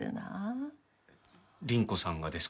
倫子さんがですか？